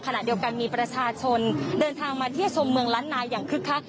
ขณะเดียวกันมีประชาชนเดินทางมาเที่ยวชมเมืองล้านนาอย่างคึกคัก